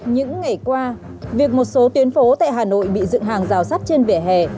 những ngày qua việc một số tuyến phố tại hà nội bị dựng hàng rào sát trên vẻ hè